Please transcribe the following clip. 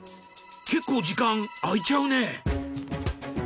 結構時間空いちゃうね。